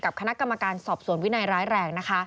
คณะกรรมการสอบสวนวินัยร้ายแรงนะคะ